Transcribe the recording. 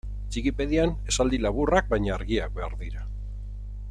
Txikipedian esaldi laburrak baina argiak behar dira.